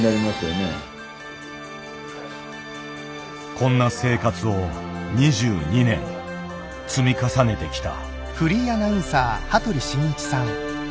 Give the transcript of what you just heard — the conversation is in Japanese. こんな生活を２２年積み重ねてきた。